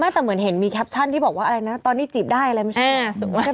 แต่เหมือนเห็นมีแคปชั่นที่บอกว่าอะไรนะตอนนี้จีบได้อะไรไม่ใช่